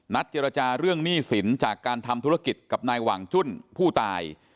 เจรจาเรื่องหนี้สินจากการทำธุรกิจกับนายหว่างจุ้นผู้ตาย